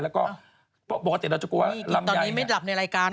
แล้วก็ปกติเราจะกลัวว่าลำยายนี่ตอนนี้ไม่หลับในรายการ